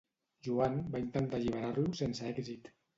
Joan va intentar alliberar-lo sense èxit.